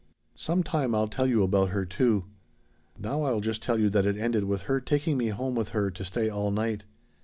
"Some time I'll tell you about her, too. Now I'll just tell you that it ended with her taking me home with her to stay all night.